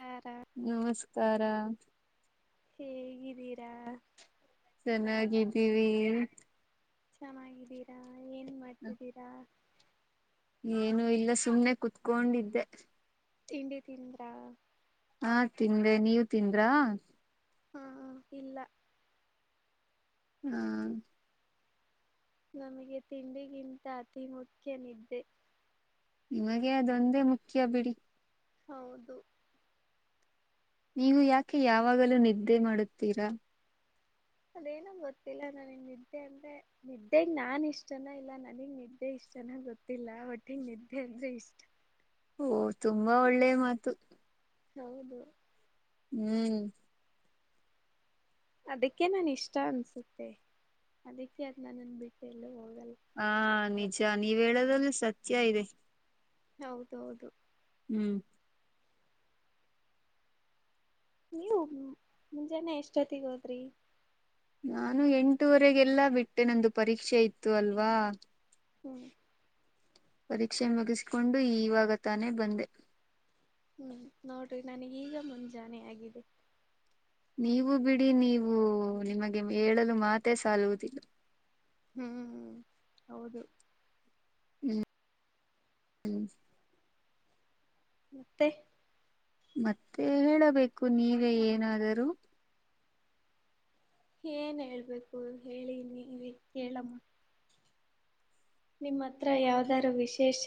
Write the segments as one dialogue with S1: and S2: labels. S1: ಹ್ಮ
S2: ನಮಸ್ಕಾರಕಾರ
S1: ಹೇಗಿದ್ದೀರಾ
S2: ಚೆನ್ನಾಗಿದ್ದೀವಿ
S1: ಚೆನ್ನಾಗಿದ್ದೀರಾ ಏನ್ ಮಾಡ್ತಿದ್ದೀರಾ
S2: ಏನು ಇಲ್ಲ ಸುಮ್ನೆ ಕುೂತ್ಕೊಂಡಿದ್ದೆ
S1: ತಿಂಡಿ ತಿಿಂದ್ರಾ
S2: ಹಾ ತಿಂದ್ರೆ ನೀವ ತಿಂದ್ರಾ
S1: ಹಾ ಹ್ಮ ಇಲ್ಲ
S2: ಹಾ
S1: ನಮಗೆ ತಿಂಡಿಗಿಂತ ಅತಿ ಮುಖ್ಯನಿದ್ದೆ
S2: ನಿಮಗೆ ಅದೊಂದೇ ಮುಖ್ಯ ಬಿಡಿ
S1: ಹೌದು
S2: ನೀವು ಯಾಕೆ ಯಾವಾಗಲೂ ನಿದ್ದೆ ಮಾಡುತ್ತೀರಾ
S1: ಅದೇನ ಗೊತ್ತಿಲ್ಲ ನನಗ್ ನಿದ್ದೆ ಅಂದ್ರೆ ನಿದ್ದೆಗ್ ನಾನ್ ಇಷ್ಟನ ಇಲ್ಲ ನನಗ್ ನಿದ್ದೆ ಇಷ್ಟ ಚೆನ್ನಾಗ್ ಗೊತ್ತಿಲ್ಲ ಒಟ್ಟಿಗೆ ನಿದ್ದೆ ಅಂದೆ ಇಷ್ಟ
S2: ಓ ತುಂಬಾ ಒಳ್ಳೆ ಮಾತು
S1: ಹೌದು
S2: ಹ್ಮ್
S1: ಅದಕ್ಕೆ ನಾನ ಇಷ್ಟ ಅನ್ಸುತ್ತೆ ಅದಕ್ಕೆ ಅದ್ನ್ನ ನನ್ ಬಿಟ್ಟ ಎಲ್ಲ ಹೋಗ
S2: ಹಾ ನಿಜ ನೀವ ಹೇಳೋದ್ರಲ್ಲಿ ಸತ್ಯ ಇದೆ
S1: ಹೌದೌದು
S2: ಹ್ಮ್
S1: ನೀವು ಮುಂಜಾನೆ ಎಷ್ಟೊತ್ತಗೋದ್ರಿ
S2: ನಾನು ಎಂಟುವರೆಗೆಲ್ಲಾ ಬಿಟ್ಟೆ ನಂದು ಪರೀಕ್ಷೆ ಇತ್ತು ಅಲ್ವಾ
S1: ಹ್ಮ್
S2: ಪರೀಕ್ಷೆ ಮುಗಿಸಿಕೊಂಡು ಇವಾಗ ತಾನೇ ಬಂದೆ
S1: ಹ್ಮ್ ನೋಡ್ರಿ ನನಗ್ ಈಗ ಮುಂಜಾನೆ ಆಗಿದೆ
S2: ನೀವು ಬಿಡಿ ನೀವು ನಿಮಗೆ ಹೇಳಲು ಮಾತೆೇ ಸಾಲುವುದಿಲ್ಲ
S1: ಹ್ಮ್ ಹ್ಮ್ ಹೌದು
S2: ಹ್ಮ್ ಹ್ಮ್
S1: ಮತ್ತೆ
S2: ಮತ್ತೆ ಹೇಳಬೇಕು ನೀವೇ ಏನಾದರೂ
S1: ಏನ್ ಹೇಳ್ಬೇಕು ಹೇಳನಿ ಕೇಳಮ್ಮ ನಿಮ್ಮ ಹತ್ರ ಯಾವ್ದಾರೂ ವಿಶೇಷ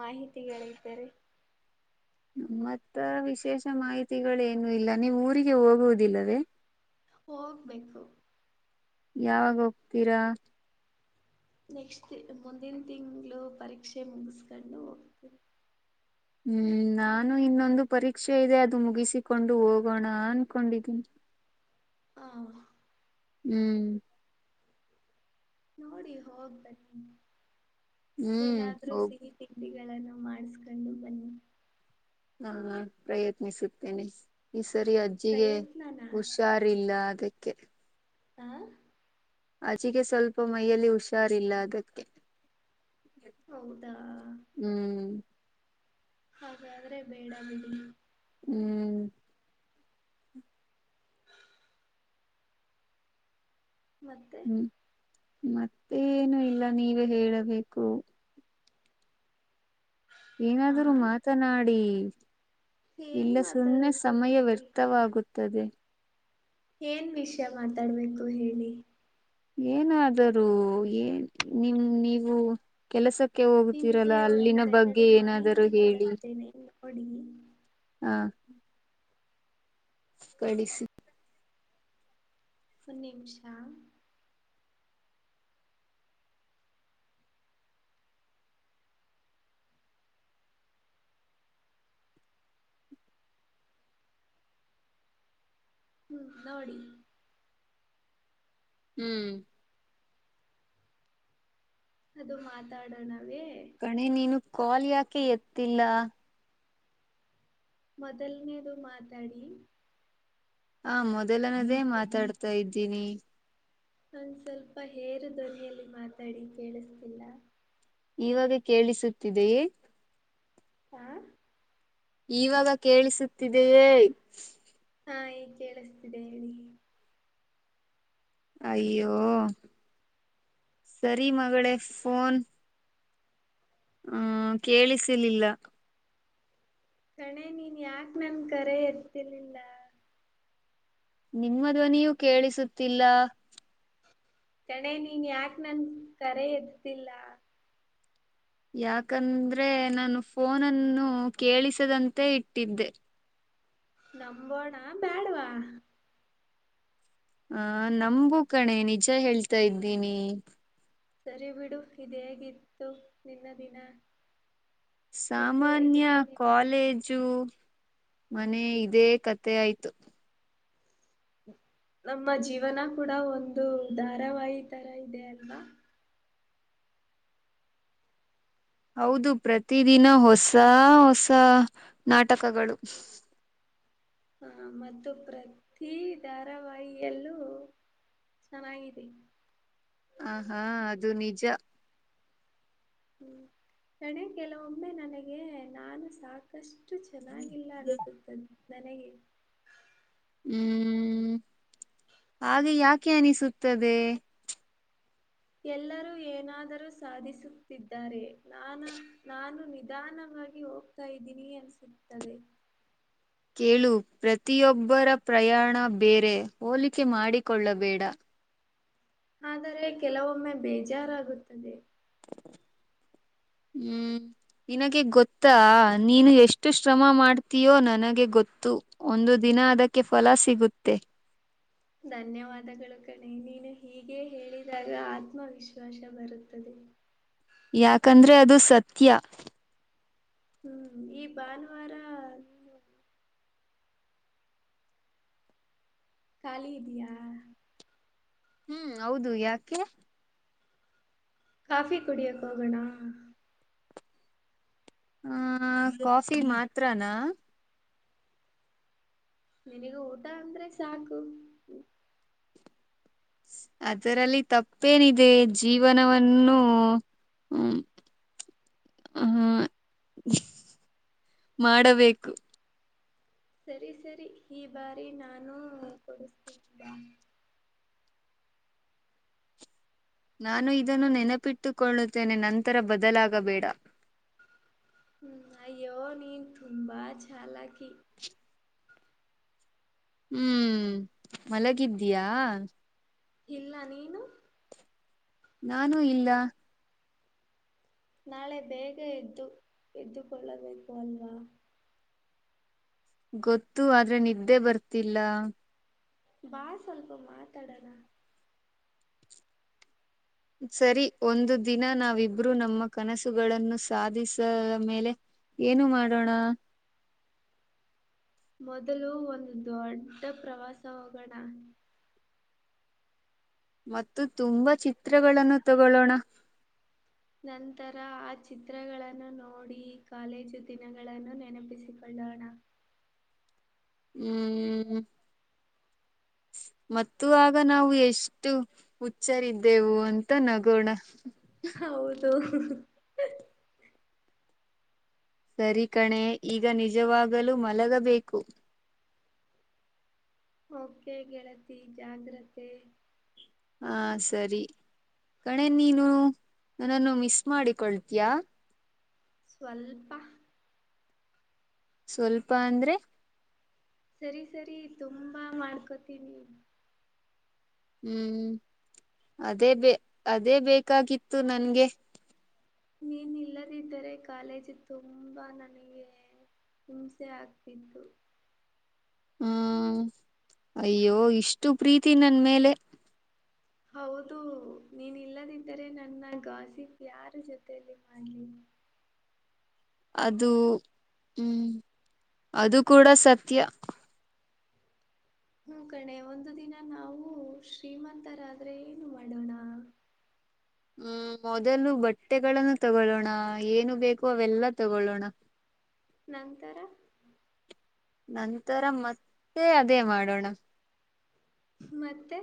S1: ಮಾಹಿತಿಗಳ್ದಾರೆ
S2: ಮ್ಮತ್ತ ವಿಶೇಷ ಮಾಹಿತಿಗಳೇನು ಇಲ್ಲ ನೀವು್ ಊರಿಗೆ ಹೋಗುವುದಿಲ್ಲವೇ
S1: ಹೋಗ್ಬೇಕು
S2: ಯಾವಾಗ ಹೋಗ್ತೀರಾ
S1: ನೆಕ್ಸ್ಟ್ ಮುಂದಿನ ತಿಂ್ಗಳು ಪರೀಕ್ಷೆ ಮುಗಸ್ಕೊಂಡು ಹೋಗ್ತ
S2: ಹ್ಮ್ ನಾನು ಇನ್ನೊಂದು ಪರೀಕ್ಷೆ ಇದೆ ಅದು ಮುಗಿಸಿಕೊಂಡು ಹೋಗೋಣ ಅನ್ಕೊಂಡಿದ್ದೀನಿ
S1: ಹಾ
S2: ಹ್ಮ್
S1: ನೋಡಿ ಹೋಗ್ ಬನ್ನಿ
S2: ಹ್ಮ್
S1: ಏನಾದ್ರು
S2: ಹೋಗ್
S1: ಸಿಹಿ ತಿಂಡಿಗಳನ್ನು ಮಾಡಿಸಕೊಂಡು ಬನ್ನಿ
S2: ಹಾ ಪ್ರಯತ್ನಿಸುತ್ತೇನೆ ಸರಿ ಅಜ್ಜಿಗೆ
S1: ಪ್ರಯತ್ನನಾ
S2: ಹುಷಾರಿಲ್ಲ ಅದಕ್ಕೆ
S1: ಆ
S2: ಆಚೆಗೆ ಸ್ವಲ್ಪ ಮೈಯಲ್ಲಿ ಹುಷಾರಿಲ್ಲ ಅದಕ್ಕೆ
S1: ಹೌದಾ
S2: ಹ್ಮ್
S1: ಹಾಗಾದ್ರೆ ಬೇಡ ಬಿಡಿ.
S2: ಹ್ಮ್
S1: ಮತ್ತೆ
S2: ಹ್ಮ್- ಮತ್ತೇನು ಇಲ್ಲ ನೀವೇ ಹೇಳಬೇಕು. ಏನಾದ್ರೂ
S1: ಹಾ
S2: ಮಾತನಾಡಿ
S1: ಏನ್
S2: ಇಲ್ಲ ಸುಮ್ಮನೆ
S1: ಮಾತಾಡೋದು
S2: ಸಮಯ
S1: ಹೇಳಿ
S2: ವ್ಯರ್ಥವಾಗುತ್ತದೆ
S1: ಏನ್ ವಿಷಯ ಮಾತಾಡ್ಬೇಕು ಹೇಳಿ
S2: ಏನಾದರೂ ಏ ನಿಮ್ ನೀವು ಕೆಲಸಕ್ಕೆ ಅಕ್ಕೆ
S1: ನಿಮಗೆ
S2: ಹೋಗ್ತಿೀರಲ್ಲ ಅಲ್ಲಿನ
S1: ಒಂದೆರಡು
S2: ಬಗ್ಗೆ ಏನಾದರೂ ಹೇಳಿ
S1: ಅಡಿ
S2: ಹಾ ಕಳಿಸಿ
S1: ಒನ ನಿಮಿಷ ಹ್ಮ್ -ನೋಡಿ
S2: ಹ್ಮ್
S1: ಅದು ಮಾತಾಡೋಣವೇ.
S2: ಕಣೆ ನೀನು ಕಾಲ್ ಯಾಕೆ ಎತ್ತಿಲ್ಲ.
S1: ಮೊದಲನೇದು ಮಾತಾಡಿ.
S2: ಹಾ- ಮೊದಲನದೇ ಮಾತಾಡ್ತಾ ಇದ್ದೀನಿ.
S1: ಒಂದ ಸ್ವಲ್ಪ ಹೇರು ಧ್ವನಿಯಲ್ಲಿ ಮಾತಾಡಿ ಕೇಳಿಸ್ತಿಲ್ಲ.
S2: ಇವಾಗ ಕೇಳಿಸುತ್ತಿದೆಯೇ.
S1: ಹ
S2: ಈವಾಗ ಕೇಳಿಸುತ್ತಿದೆಯೇ.
S1: ಹಾ- ಈ- ಕೇಳಿಸ್ತಿದೆ ಹೇಳಿ.
S2: ಅಯ್ಯೋ ಸರಿ ಮಗಳೇ ಫೋನ್. ಹ್ಮ -ಕೇಳಿಸಲಿಲ್ಲ.
S1: ಕಣೆ ನೀನ್ ಯಾಕ ನನ್ ಕರೆ ಎರ್ತಿಲಿಲ್ಲ.
S2: ನಿಮ್ಮ ಧ್ವನಿಯೂ ಕೇಳಿಸುತ್ತಿಲ್ಲ.
S1: ಕಣೆ ನೀನ್ ಯಾಕ ನನ್ ಕರೆ ಎದ್ದಿಲ್ಲ.
S2: ಯಾಕಂದ್ರೆ ನಾನು ಫೋನನ್ನು ಕೇಳಿಸದಂತೆ ಇಟ್ಟಿದ್ದೆ.
S1: ನಂಬೋಣ ಬ್ಯಾಡವಾ.
S2: ಹ- ನಂಬು ಕಣೆ ನಿಜ ಹೇಳ್ತಾ ಇದ್ದೀನಿ.
S1: ಸರಿ ಬಿಡು ಇದ ಹೇಗಿತ್ತು ನಿನ್ನ ದಿನ. ಇಂದು
S2: ಸಾಮಾನ್ಯ
S1: ಹೇಗಿತ್ತು ನಿನ್ನ ದಿನ
S2: ಕಾಲೇಜು. ಮನೆ ಇದೇ ಕತೆ ಆಯ್ತು.
S1: ಹ್ಮ ನಮ್ಮ ಜೀವನ ಕೂಡ ಒಂದು ಧಾರಾವಾಹಿ ತರ ಇದೆ ಅಲ್ವಾ.
S2: ಹೌದು ಪ್ರತಿದಿನ ಹೊಸ ಹೊಸ ನಾಟಕಗಳು.
S1: ಹಾ -ಮತ್ತು ಪ್ರತಿ ಧಾರಾವಾಹಿಯಲ್ಲೂ. ಚೆನ್ನಾಗಿರಿ
S2: ಆ -ಹಾ -ಅದು ನಿಜ.
S1: ಹ್ಮ್- ರಣೆ ಕೆಲವೊಮ್ಮೆ ನನಗೆ ನಾನು ಸಾಕಷ್ಟು ಅಷ್ಟು ಚೆನ್ನಾಗಿಲ್ಲ ಅನಸುತ್ತದ ನನಗೆ
S2: ಹ್ಮ್- ಹಾಗೆ ಯಾಕೆ ಅನಿಸುತ್ತದೆ.
S1: ಎಲ್ಲರೂ ಏನಾದರೂ ಸಾಧಿಸುತ್ತಿದ್ದಾರೆ ನಾನ ನಾನು ನಿಧಾನ. ಹೋಗ್ತಾ ಇದ್ದೀನಿ ಅನ್ನಿಸುತ್ತದೆ.
S2: ಕೇಳು ಪ್ರತಿಯೊಬ್ಬರ ಪ್ರಯಾಣ ಬೇರೆ ಹೋಲಿಕೆ ಮಾಡಿಕೊಳ್ಳಬೇಡ.
S1: ಆದರೆ ಕೆಲವೊಮ್ಮೆ ಬೇಜಾರಾಗುಋತ್ತದೆ.
S2: ಹ್ಮ್ ನಿನಗೆ ಗೊತ್ತಾ ನೀನು ಎಷ್ಟು ಶ್ರಮ ಮಾಡ್ತೀಯೋ ನನಗೆ ಗೊತ್ತು ಒಂದು ದಿನ. ದಿನ ಅದಕ್ಕೆ ಫಲ ಸಿಗುತ್ತೆ
S1: ಧನ್ಯವಾದಗಳು ಕಣೆ ನೀನು ಹೀಗೆ ಹೇಳಿದಾಗ ಆತ್ಮವಿಶ್ವಾಸ ಬರುತ್ತದೆ
S2: ಯಾಕಂದ್ರೆ ಅದು ಸತ್ಯ.
S1: ಹ್ಮ್- ಈ -ಭಾನುವಾರ ಖಾಲಿ ಇದ್ದಿಯಾ.
S2: ಹ್ಮ್ -ಹೌದು ಯಾಕೆ.
S1: ಕಫಿ ಕುಡಿಯಕ್ಕೆ ಹೋಗಣಾ
S2: ಹ -ಕಾಫಿ ಮಾತ್ರನಾ.
S1: ನಿನಗ ಊಟ ಅಂದ್ರೆ ಸಾಕು
S2: ಅದರಲ್ಲಿ ತಪ್ಪೇನಿದೆ ಜೀವನವನ್ನು. ಹ್ಮ್ ಹ ಮಾಡಬೇಕು
S1: ಸರಿ ಸರಿ ಈ ಬಾರಿ ನಾನು ಕೊಡಿಸ್ತ
S2: ನಾನು ಇದನ್ನು ನೆನಪಿಟ್ಟುಕೊಳ್ಳುತ್ತೇನೆ ನಂತರ ಬದಲಾಗಬೇಡ
S1: ಹ್ಮ್ ಅಯ್ಯೋ ನೀನ್ ತುಂಬಾ ಚಾಲಾಕಿ
S2: ಹ್ಮ್ ಮಲಗಿದ್ದಯಾ
S1: ಇಲ್ಲ ನೀನು
S2: ನಾನೂ ಇಲ್ಲ
S1: ನಾಳೆ ಬೇಗ ಎದ್ದು ಎದ್ದುಕೊಳ್ಳಬೇಕು ಅಲ್ವಾ
S2: ಗೊತ್ತು ಆದ್ರೆ ನಿದ್ದೆ ಬರ್ತಿಲ್ಲ
S1: ಬಾ ಸ್ವಲ್ಪ ಮಾತಾಡಾರ
S2: ಸರಿ ಒಂದು ದಿನ ನಾವಿಬ್ರುೂ ನಮ್ಮ ಕನಸುಗಳನ್ನು ಸಾಧಿಸ ಮೇಲೆ ಏನು ಮಾಡೋಣ
S1: ಮೊದಲು ಒಂದು ದೊಡ್ಡ ಪ್ರವಾಸ ಹೋಗೋಣ
S2: ಮತ್ತು ತುಂಬಾ ಚಿತ್ರಗಳನ್ನು ತಗೊೊಳ್ಳೋಣ
S1: ನಂತರ ಆ ಚಿತ್ರಗಳನ್ನು ನೋಡಿ ಕಾಲೇಜು ದಿನಗಳನ್ನು ನೆನಪಿಸಿಕೊಳ್ಳ ಲ್ಲಣ
S2: ಹ್ಮ್ ಮ ಆಗ ನಾವು ಎಷ್ಟು ಹುಚ್ಚಾರಿದ್ದೆವು ಅಂತ ನಗೋಣ
S1: ಹೌದು
S2: ಸರಿ ಕಣೆ ಈಗ ನಿಜವಾಗಲೂ ಮಲಗಬೇಕು
S1: ಕೆ ಗೆಳತಿ ಜಾಗ್ರತೆ
S2: ಹಾ ಸರಿ ಕಣೆನ್ ನೀನು ನನ್ನನ್ನು ಮಿಸ್ ಮಾಡಿಕೊಳ್ತೀಯ
S1: ಸ್ವಲ್ಪ
S2: ಸ್ವಲ್ಪ ಅಂದ್ರೆ
S1: ಸರಿ ಸರಿ ತುಂಬಾ ಮಾಡ್ಕೊತೀನಿ
S2: ಹ್ಮ್ ಅದೇ ಬ ಅದೇ ಬೇಕಾಗಿತ್ತು ನನ್ಗೆ
S1: ನೀಏನ ಇಲ್ಲದಿದ್ದರೆ ಕಾಲೇಜ್ ತುಂಬಾ ನನಗೆ ಹಿಂಸೆ ಆಗ್ತಿತ್ತು
S2: ಹ್ಮ ಅಯ್ಯೋ ಇಷ್ಟು ಪ್ರೀತಿ ನನ್ ಮೇಲೆ
S1: ಹೌದು ನೀನ್ ಇಲ್ಲದಿದ್ದರೆ ನನ್ನ ಗಾಸಿಪ್ ಯಾರ ಜೊತೆಯಲ್ಲಿ ಮಾಡ್ಲಿ
S2: ಹಮ್ ಅದು ಹ್ಮ್ ಅದು ಕೂಡ ಸತ್ಯ
S1: ಹ್ಮ ಕಣೆ ಒಂದು ದಿನ ನಾವು ಶ್ರೀಮಂತರಾದ್ರೆ ಏನು ಮಾಡೋಣ
S2: ಹ ಹ್ಮ್ ಮೊದಲು ಬಟ್ಟೆಗಳನ್ನು ತಗೊೊಳ್ಳೋಣ ಏನು ಬೇಕು ಅವೆಲ್ಲಾ ತಗೊೊಳ್ಳೋಣ ಹ
S1: ನಂತರ.
S2: ನಂತರ ಮತ್ತೆ ಅದೇ ಮಾಡೋಣ.
S1: ಮತ್ತೆ.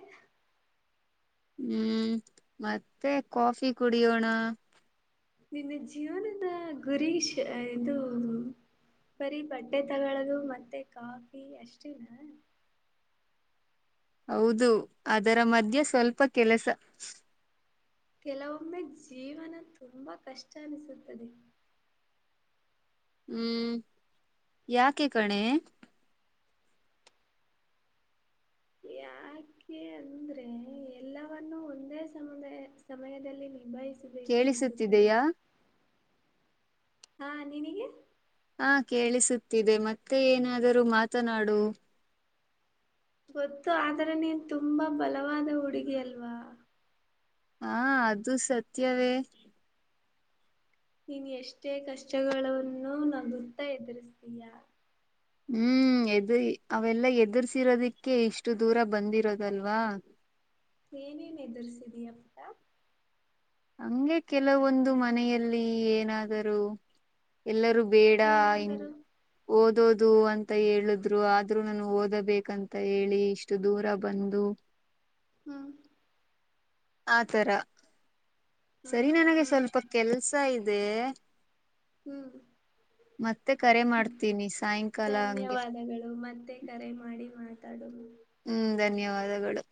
S2: ಹ್ಮ್ ಮತ್ತೆ ಕಾಫಿ ಕುಡಿಯೋಣ.
S1: ನಿನ್ನ ಜೀವನದ ಗುರೀಶ ಇದು ಬರೀ ಬಡ್ಟ್ಟೆ ತಗೊಳ್ಳದು ಮತ್ತೆ ಕಾಫಿ ಅಷ್ಟೇನಾ
S2: ಹೌದು ಅದರ ಮಧ್ಯೆ ಸ್ವಲ್ಪ ಕೆಲಸ
S1: ಕೆಲವೊಮ್ಮೆ ಜೀವನ ತುಂಬಾ ಕಷ್ಟ ಅನಿಸುತ್ತದೆ
S2: ಹ್ಮ್ ಯಾಕೆ ಕಣೆ ಹ
S1: ಆಕೆ ಅಂದ್ರೆ ಎಲ್ಲವವನ್ನು ಒಂದೇ ಸಮುದಾಯ ಸಮಯದಲ್ಲಿ ನಿ ನಿ ಬಯಸಬೇಕು ಅನ್ನಿಸುತ್ತದೆ
S2: ಕೇಳಿಸುತ್ತಿದೆಯಾ
S1: ಹಾ ನಿನಗೆ
S2: ಹಾ ಕೇಳಿಸುತ್ತಿದೆ ಮತ್ತೆ ಏನಾದರೂ ಮಾತನಾಡು
S1: ಗೊತ್ತು ಆದ್ರೆ ನೀನ್ ತುಂಬಾ ಬಲವಾದ ಹುಡುಗಿ ಅಲ್ವಾ
S2: ಹಾ ಅದು ಸತ್ಯವೇ.
S1: ನೀನ್ ಎಷ್ಟೇ ಕಷ್ಟಗಳನ್ನ ನಗುತ್ತಾ ಎದುರಿಸತೀಯಾ.
S2: ಹ್ಮ್ ಎದುರಿ ಅವೆಲ್ಲ ಎದುರ್ಸಿರೋದಿಕ್ಕೆ ಇಷ್ಟು ದೂರ ಬಂದಿರೋದಲ್ವಾ.
S1: ಎನ್ ಏನು ಎದರ್ರಿಸಿದಿಯಾ ಅಕ್ಕ.
S2: ಹಂಗೆ ಕೆಲವೊಂದು ಮನೆಯಲ್ಲಿ ಏನಾದರೂ ಎಲ್ಲರೂ, ಬೇಡ ಹ
S1: ಏನಾದರೂ
S2: ಓದ ಓದೋದು ಅಂತ ಹೇಳುದ್ರು ಆದ್ರೂ ನಾನು ಓದಬೇಕಂತ ಹೇಳಿ ಇಷ್ಟು ದೂರ ಬಂದು,
S1: ಹ್ಮ್.
S2: ಆತರ
S1: ಹ್ಮ್
S2: ಸರಿ ನನಗೆ ಸ್ವಲ್ಪ ಕೆಲ್ಸ ಇದೆ.
S1: ಹ್ಮ್.
S2: ಮತ್ತೆ ಕರೆ ಮಾಡ್ತೀನಿ ಸಾಯಂಕಾಲ ಹಂಗೆ
S1: ಧನ್ಯವಾದಗಳು ಮತ್ತೆ ಕರೆ ಮಾಡಿ. ಮಾತ ತಡೋಣ.
S2: ಹ್ಮ್ ಧನ್ಯವಾದಗಳು.